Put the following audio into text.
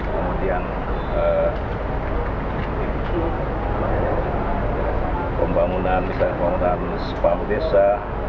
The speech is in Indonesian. kemudian pembangunan misalnya pembangunan sepahamu desa